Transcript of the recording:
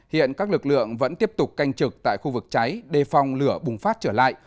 hiện các lực lượng vẫn tiếp tục canh trực tại khu vực cháy đề phòng lửa bùng phát trở lại